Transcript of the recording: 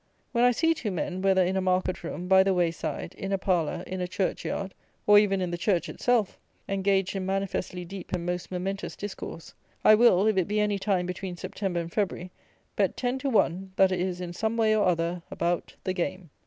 When I see two men, whether in a market room, by the way side, in a parlour, in a church yard, or even in the church itself, engaged in manifestly deep and most momentous discourse, I will, if it be any time between September and February, bet ten to one, that it is, in some way or other, about the game.